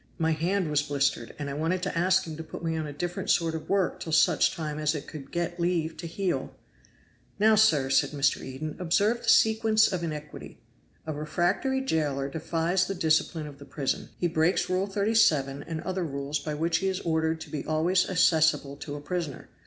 My hand was blistered, and I wanted to ask him to put me on a different sort of work till such time as it could get leave to heal." "Now, sir," said Mr. Eden, "observe the sequence of iniquity. A refractory jailer defies the discipline of the prison. He breaks Rule 37 and other rules by which he is ordered to be always accessible to a prisoner.